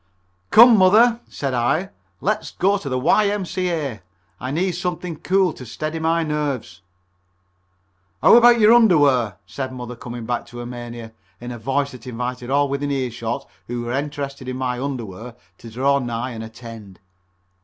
"Come, Mother," said I, "let's go to the Y.M.C.A. I need something cool to steady my nerves." "How about your underwear?" said Mother, coming back to her mania, in a voice that invited all within earshot who were interested in my underwear to draw nigh and attend.